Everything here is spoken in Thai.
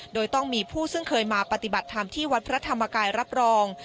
โดยต้องมีผู้ซึ่งเคยมาปฏิบัติธรรมที่วัดพระธรรมกายรับรอง